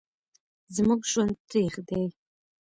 زموږ ژوند تریخ دی